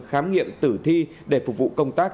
khám nghiệm tử thi để phục vụ công tác